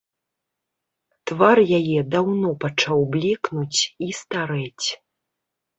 Твар яе даўно пачаў блекнуць і старэць.